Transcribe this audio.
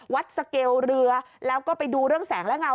สเกลเรือแล้วก็ไปดูเรื่องแสงและเงา